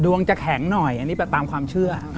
จะแข็งหน่อยอันนี้แบบตามความเชื่อ